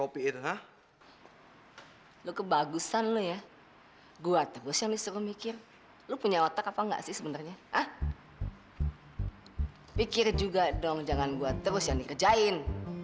pikir juga dong jangan gue terus yang dikejain